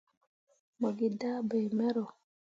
Mo gi dah bai mero.